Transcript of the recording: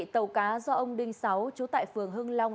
tàu cá do ông đinh sáu chú tại phường hưng long